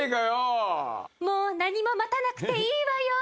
もう何も待たなくていいわよ！